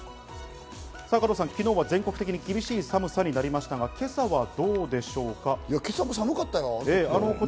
加藤さん、昨日は全国的に厳しい寒さになりましたが、今朝はどう今朝も寒かったよ。